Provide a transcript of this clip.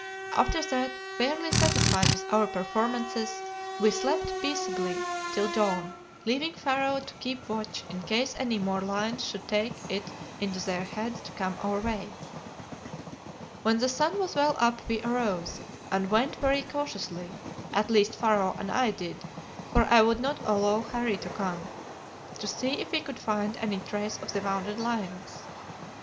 "After that, fairly satisfied with our performances, we slept peaceably till dawn, leaving Pharaoh to keep watch in case any more lions should take it into their heads to come our way. "When the sun was well up we arose, and went very cautiously at least Pharaoh and I did, for I would not allow Harry to come to see if we could find any trace of the wounded lioness.